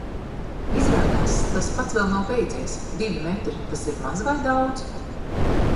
Izrādās, tas pats vēl nav beidzies. Divi metri – tas ir maz vai daudz?